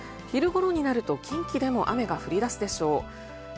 昼頃になると近畿でも雨が降り出すでしょう。